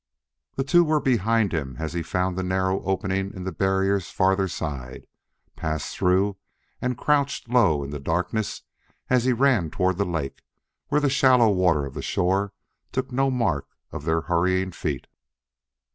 The two were behind him as he found the narrow opening in the barrier's farther side, passed through, and crouched low in the darkness as he ran toward the lake where the shallow water of the shore took no mark of their hurrying feet.